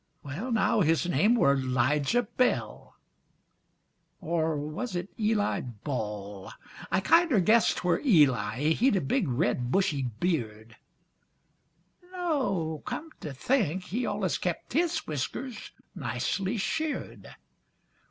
Wa a ll now, his name were 'Lijah Bell or was it Eli Ball? I kinder guess 't were Eli. He'd a big, red, bushy beard No o o, come to think, he allus kept his whiskers nicely sheared.